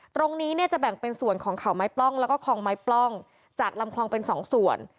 ตรงนี้เนี่ยจะแบ่งเป็นส่วนของเขาไม้ปล้องแล้วก็คลองไม้ปล้องจากลำคลองเป็นสองส่วน